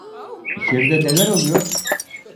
İçeride neler oluyor?